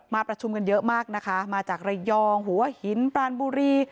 ประชุมกันเยอะมากนะคะมาจากระยองหัวหินปรานบุรี